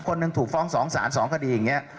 คนหนึ่งถูกฟ้อง๒สาร๒คดีอย่างนี้